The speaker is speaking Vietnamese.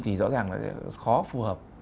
thì rõ ràng là khó phù hợp